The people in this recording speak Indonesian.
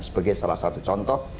sebagai salah satu contoh